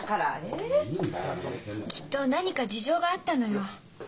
きっと何か事情があったのよ。